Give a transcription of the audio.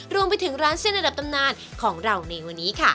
รวมไปถึงร้านเส้นระดับตำนานของเราในวันนี้ค่ะ